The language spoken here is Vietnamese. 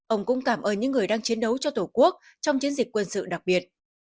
ông cũng cảm ơn những người đang chiến đấu cho tổ quốc trong chiến dịch quân sự đặc biệt